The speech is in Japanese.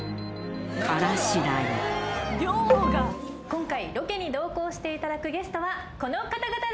今回ロケに同行していただくゲストはこの方々です。